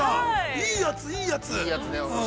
いいやつ、いいやつ。